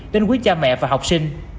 đến quý cha mẹ và học sinh